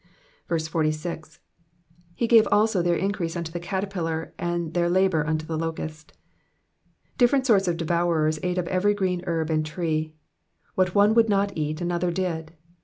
46. ^^Ha gave also their increfiae unto tJie caterpiUer^ and their labour unto the locust.'^'* Different sorts of devourers ate up every green herb and tree. What one would njt eat another did.